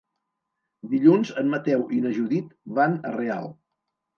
Dilluns en Mateu i na Judit van a Real.